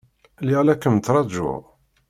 Lliɣ la kem-ttṛajuɣ.